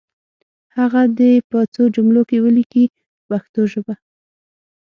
هغه دې په څو جملو کې ولیکي په پښتو ژبه.